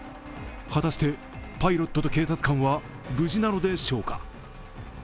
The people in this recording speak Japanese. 果たしてパイロットと警察官は無事なのでしょうか。